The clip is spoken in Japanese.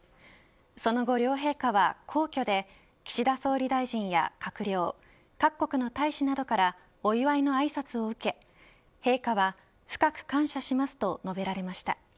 その後、両陛下は皇居で岸田総理大臣や閣僚各国の大使などからお祝いのあいさつを受け陛下は深く感謝しますと述べられました。